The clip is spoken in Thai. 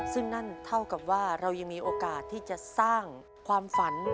ซึ่งนั่นเท่ากับว่าเรายังมีโอกาสที่จะสร้างความฝัน